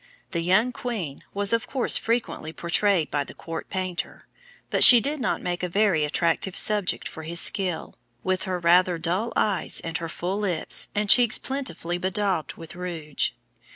The young queen was of course frequently portrayed by the court painter, but she did not make a very attractive subject for his skill, with her rather dull eyes and her full lips, and cheeks plentifully bedaubed with rouge.